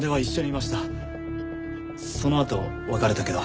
そのあと別れたけど。